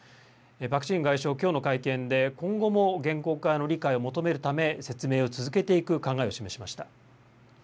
パク・チン外相、きょうの会見で、今後も原告側の理解を求めるため、説明を続けていく考えを示しました。